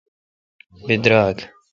بماریک۔